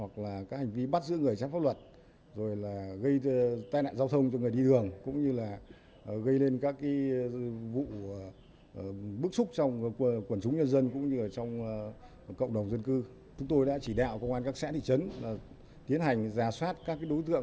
chúng tôi đã chỉ đạo công an các xã thị trấn tiến hành giả soát các đối tượng